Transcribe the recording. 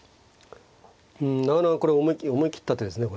うんなかなかこれ思い切った手ですね